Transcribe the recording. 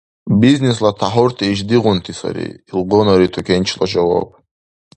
— Бизнесла тяхӀурти ишдигъунти сари, — илгъунари тукенчила жаваб.